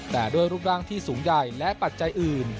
แต่ด้วยรูปร่างที่สูงใหญ่และปัจจัยอื่น